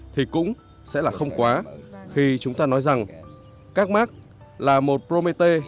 thì cũng sẽ là không quá khi chúng ta nói rằng các mark là một promete